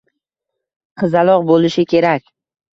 Qizaloq bo`lishi kerak